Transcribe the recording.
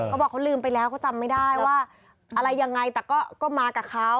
เขาบอกเขาลืมไปแล้วเขาจำไม่ได้ว่าอะไรยังไงแต่ก็มากับเขา